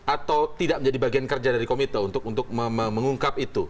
atau tidak menjadi bagian kerja dari komite untuk mengungkap itu